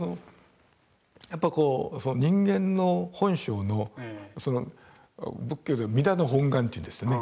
やっぱこう人間の本性の仏教では「弥陀の本願」というんですよね。